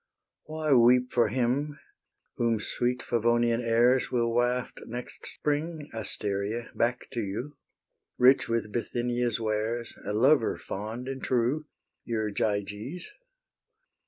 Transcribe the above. Why weep for him whom sweet Favonian airs Will waft next spring, Asteria, back to you, Rich with Bithynia's wares, A lover fond and true, Your Gyges?